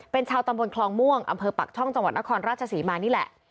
เป็นชาวตำบลคลองม่วงอำเภอปากช่องจังหวัดนครราชศรีมานี่แหละ